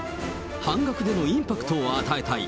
半額でのインパクトを与えたい。